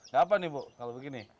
dapat nih ibu kalau begini